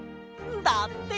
だって。